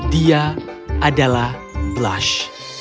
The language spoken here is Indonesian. dia adalah blush